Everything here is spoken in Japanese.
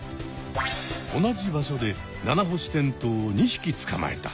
同じ場所でナナホシテントウを２ひきつかまえた。